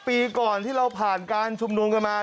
๑๐ปีก่อนที่เราผ่านกลางชุมนมเข้ามา